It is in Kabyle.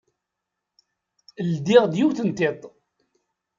Ldiɣ-d yiwet n tiṭ.